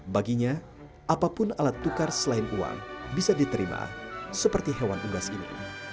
baginya apapun alat tukar selain uang bisa diterima seperti hewan unggas ini